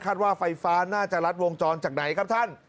ว่าไฟฟ้าน่าจะรัดวงจรจากไหนครับท่าน